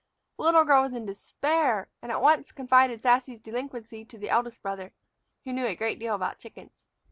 The little girl was in despair, and at once confided Sassy's delinquency to the eldest brother, who knew a great deal about chickens.